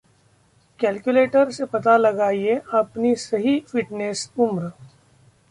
calculator से पता लगाइए अपनी सही फिटनेस उम्र